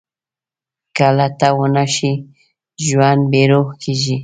که لټه ونه شي، ژوند بېروح کېږي.